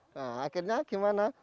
nah akhirnya gimana